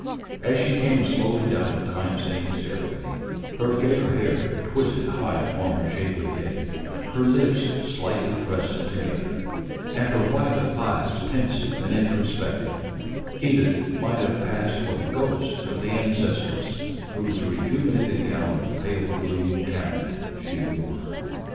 As she came slowly down the time stained stairway, her fair hair twisted high upon her shapely head, her lips slightly pressed together, and her violet eyes pensive and introspective, Edith might have passed for the ghost of the ancestress whose rejuvenated gown of pale blue camlet she wore.